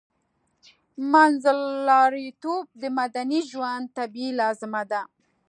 منځلاریتوب د مدني ژوند طبیعي لازمه ده